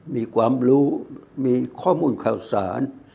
มีความรู้มีข้อมูลข่าวสาร